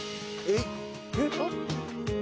えっ？